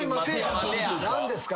何ですか？